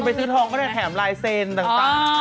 ไปซื้อทองก็ได้แถมลายเซ็นต์ต่าง